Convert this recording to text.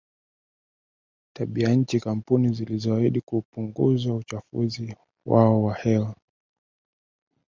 tabianchi kampuni zilizoahidi kupunguza uchafuzi wao wa hewa